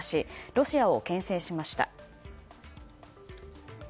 ロシアを牽制しました。